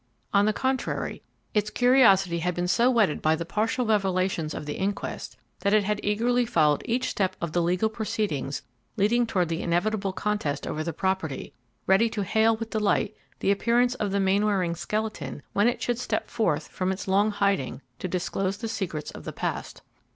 On the contrary, its curiosity had been so whetted by the partial revelations of the inquest, that it had eagerly followed each step of the legal proceedings leading towards the inevitable contest over the property, ready to hail with delight the appearance of the Mainwaring skeleton when it should step forth from its long hiding to disclose the secrets of the past.